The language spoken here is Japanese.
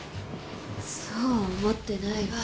そうは思ってないわ。